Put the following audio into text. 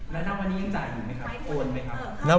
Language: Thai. แล้วถ้าวันนี้ยังจ่ายอยู่ไหมครับโอนไหมครับ